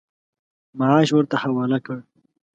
معاش ورته حواله کړ.